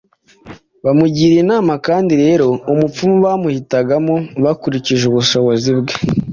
bamugira inama kandi rero umupfumu bamuhitagamo bakurikije ubushobozi bwe